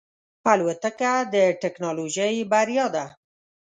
الوتکه د ټکنالوژۍ بریا ده.